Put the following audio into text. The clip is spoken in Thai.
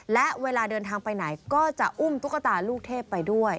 และเวลาเดินทางไปไหนก็จะอุ้มตุ๊กตาลูกเทพไปด้วย